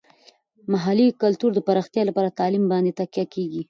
د محلي کلتور د پراختیا لپاره تعلیم باندې تکیه کیږي.